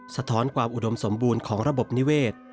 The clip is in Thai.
สะท้อนความอุดมสมบูรณ์ของระบบนิเวศ